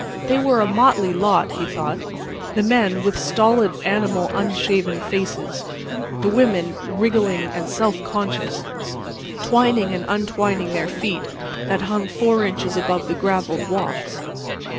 They were a motley lot, he thought; the men with stolid, animal, unshaven faces; the women wriggling and self conscious, twining and untwining their feet that hung four inches above the gravelled walks.